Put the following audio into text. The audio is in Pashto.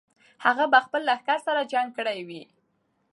هغه به خپل لښکر سره جنګ کړی وي.